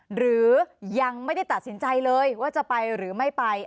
หรือยังไม่ได้ตัดสินใจเลยว่าจะไปหรือไม่ไป